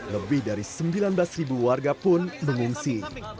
lebih dari sembilan belas ribu warga pun mengungsi